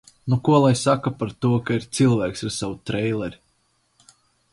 Nu ko lai saka par to, ka ir cilvēks ar savu treileri.